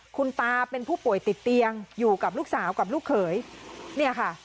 คุณตาเป็นผู้ป่วยติดเตียงอยู่กับลูกสาวกับลูกเขยเนี่ยค่ะ